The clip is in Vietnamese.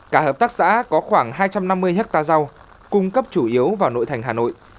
cả hợp tác xã có khoảng hai trăm năm mươi hectare rau cung cấp chủ yếu vào nội thành hà nội